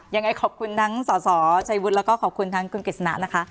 ยังไงขอบคุณทั้งสสชัยวุฒิแล้วก็ขอบคุณทั้งคุณกฤษณะนะคะ